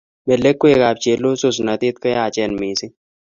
melekwekab chelesosnatet ko yachen mising